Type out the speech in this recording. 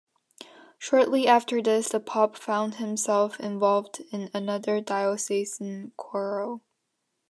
Shortly after this, the pope found himself involved in another diocesan quarrel.